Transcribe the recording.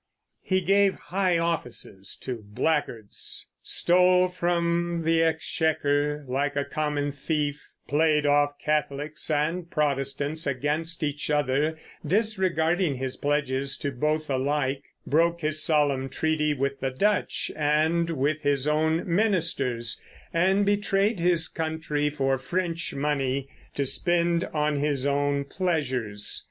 He gave high offices to blackguards, stole from the exchequer like a common thief, played off Catholics and Protestants against each other, disregarding his pledges to both alike, broke his solemn treaty with the Dutch and with his own ministers, and betrayed his country for French money to spend on his own pleasures.